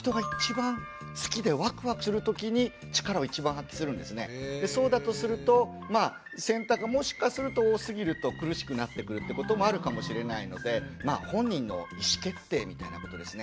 これ発達の研究でも分かってるのはそうだとするとまあ選択がもしかすると多すぎると苦しくなってくるってこともあるかもしれないのでまあ本人の意思決定みたいなことですね。